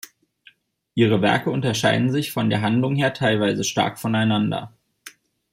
Ihre Werke unterscheiden sich von der Handlung her teilweise stark voneinander.